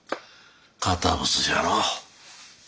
堅物じゃのう。